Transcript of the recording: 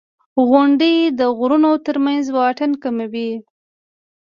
• غونډۍ د غرونو تر منځ واټن کموي.